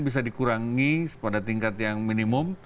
bisa dikurangi pada tingkat yang minimum